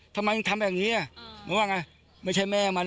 ทำไมมึงทำแบบนี้มันว่าไงไม่ใช่แม่มัน